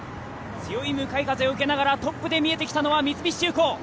強い向かい風を受けながら、トップで見えてきましたの三菱重工。